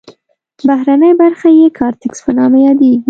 بهرنۍ برخه یې کارتکس په نامه یادیږي.